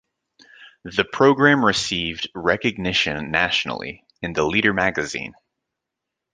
The program received recognition Nationally, in the Leader Magazine.